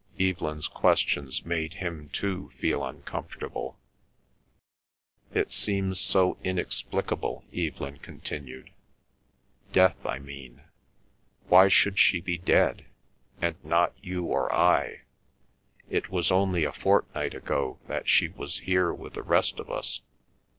Evelyn's questions made him too feel uncomfortable. "It seems so inexplicable," Evelyn continued. "Death, I mean. Why should she be dead, and not you or I? It was only a fortnight ago that she was here with the rest of us.